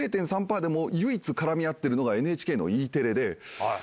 ０．３％で唯一絡み合ってるのがＮＨＫのＥテレで。